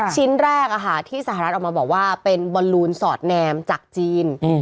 ชิ้นแรกที่สหรัฐออกมาบอกว่าเป็นบอลลูนสอดแนมจากจีน